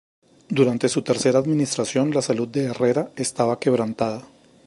Durante su tercera administración la salud de Herrera estaba quebrantada.